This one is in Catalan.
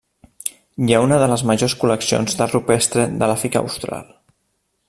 Hi ha una de les majors col·leccions d'art rupestre de l'Àfrica austral.